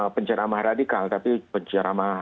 penceramah radikal tapi penceramah